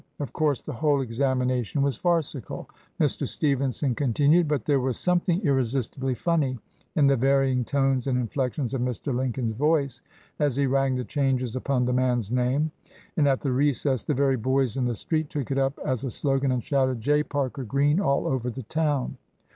Of course the whole examination was farcical," Mr. Stevenson con tinued, "but there was something irresistibly 13 219 LINCOLN THE LAWYER funny in the varying tones and inflections of Mr. Lincoln's voice as he rang the changes upon the man's name; and at the recess the very boys in the street took it up as a slogan and shouted 'J. Parker Green!' all over the town.